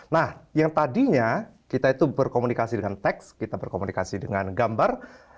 nah yang tadinya kita itu berkomunikasi dengan teks kita berkomunikasi dengan gambar